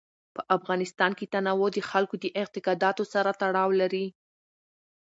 په افغانستان کې تنوع د خلکو د اعتقاداتو سره تړاو لري.